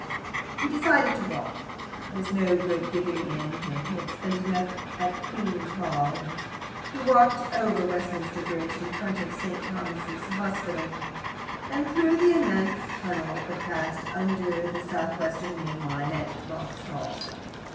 He decided to walk it is no good giving in, and he had spent money enough at Queen's Hall and he walked over Westminster Bridge, in front of St. Thomas's Hospital, and through the immense tunnel that passes under the South Western main line at Vauxhall.